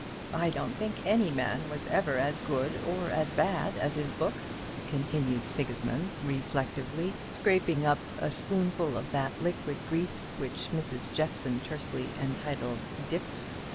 I don't think any man was ever as good or as bad as his books," continued Sigismund, reflectively, scraping up a spoonful of that liquid grease which Mrs. Jeffson tersely entitled "dip."